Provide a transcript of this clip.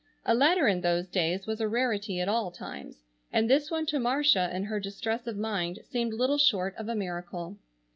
A letter in those days was a rarity at all times, and this one to Marcia in her distress of mind seemed little short of a miracle.